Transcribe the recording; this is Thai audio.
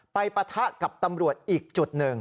ปะทะกับตำรวจอีกจุดหนึ่ง